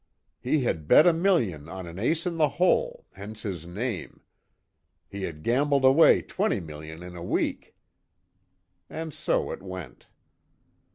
"He had bet a million on an ace in the hole hence his name. He had gambled away twenty million in a week." And so it went.